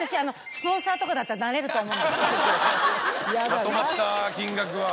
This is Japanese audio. まとまった金額は。